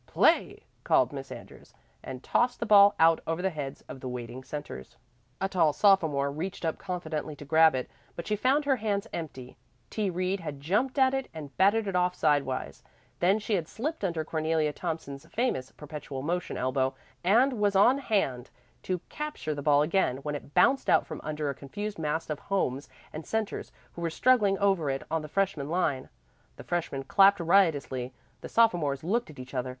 "Play!" called Miss Andrews, and tossed the ball out over the heads of the waiting centres. A tall sophomore reached up confidently to grab it, but she found her hands empty. T. Reed had jumped at it and batted it off sidewise. Then she had slipped under Cornelia Thompson's famous "perpetual motion" elbow, and was on hand to capture the ball again when it bounced out from under a confused mass of homes and centres who were struggling over it on the freshman line. The freshmen clapped riotously. The sophomores looked at each other.